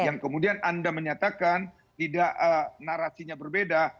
yang kemudian anda menyatakan tidak narasinya berbeda